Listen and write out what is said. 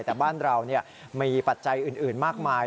แต่บ้านเรามีปัจจัยอื่นมากมาย